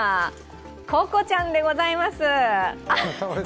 ココちゃんでございます。